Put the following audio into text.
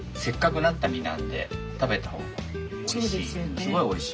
すごいおいしい。